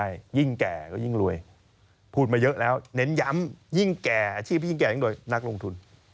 แล้วยิ่งรวยพูดมาเยอะแล้วเน้นยำยิ่งแก่อาชีพนักลงทุน